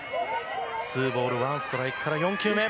ツーボールワンストライクから４球目。